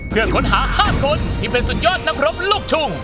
เพื่อค้นหา๕คนที่เป็นสุดยอดนักรบลูกทุ่ง